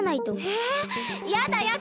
えやだやだ！